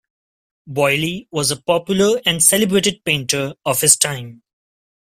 Boilly was a popular and celebrated painter of his time.